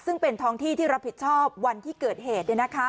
ซึ่งเป็นท้องที่ที่รับผิดชอบวันที่เกิดเหตุ